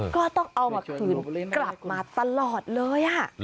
ก็ต้องเอามาคืนกลับมาตลอดเลย